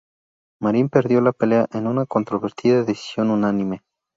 Marín perdió la pelea en una controvertida decisión unánime.